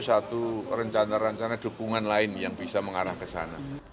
satu rencana rencana dukungan lain yang bisa mengarah ke sana